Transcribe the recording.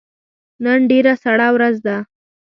نن ډیره سړه ورځ ده